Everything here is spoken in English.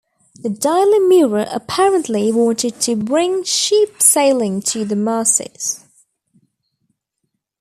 "The Daily Mirror" apparently wanted to bring cheap sailing to the masses.